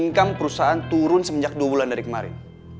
income perusahaan turun semenjak dua bulan dari kemarin